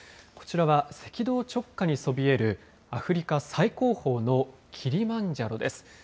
こちらは、赤道直下にそびえるアフリカ最高峰のキリマンジャロです。